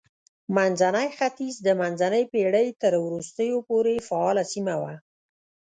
منځنی ختیځ د منځنۍ پېړۍ تر وروستیو پورې فعاله سیمه وه.